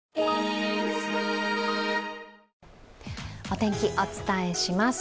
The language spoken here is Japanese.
お天気、お伝えします。